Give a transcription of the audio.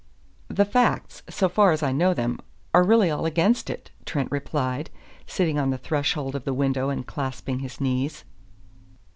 "The facts, so far as I know them, are really all against it," Trent replied, sitting on the threshold of the window and clasping his knees.